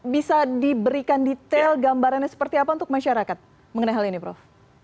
bisa diberikan detail gambarannya seperti apa untuk masyarakat mengenai hal ini prof